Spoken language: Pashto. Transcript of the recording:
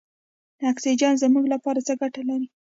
اکسیجن زموږ لپاره څه ګټه لري.